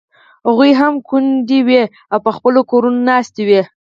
هغوی هم کونډې وې او په خپلو کورونو ناستې وې.